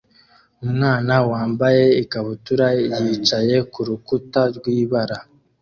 Umwana wambaye ikabutura yicaye kurukuta rwibara